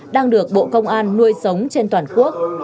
đang được bộ công an nuôi sống trên toàn quốc